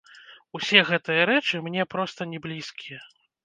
Усе гэтыя рэчы мне проста не блізкія.